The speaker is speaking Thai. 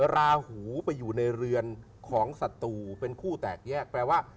ราหูไปอยู่ในเรือนของศัตรูเป็นคู่แตกแยกแปลว่า